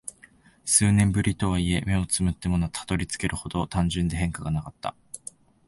数年ぶりとはいえ、目を瞑ってもたどり着けるほど単純で変化がなかった。